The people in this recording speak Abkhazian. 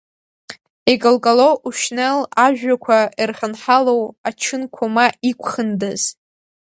Икалкало ушьнел ажәҩақәа ирхьынҳалоу ачынқәа ма иқәхындаз.